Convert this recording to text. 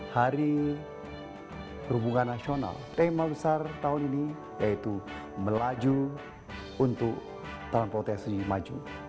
hari perhubungan nasional tema besar tahun ini yaitu melaju untuk transportasi maju